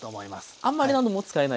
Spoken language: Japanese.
あんまり何度も使えない？